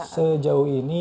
sejauh ini untuk